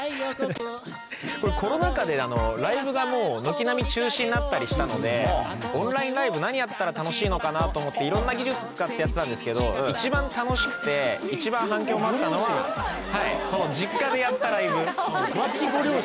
コロナ禍でライブが軒並み中止になったりしたのでオンラインライブ何やったら楽しいのかなと思っていろんな技術使ってやってたんですけど一番楽しくて一番反響もあったのはこの実家でやったライブ。